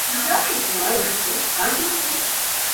La escuela de Berlín es fruto del krautrock.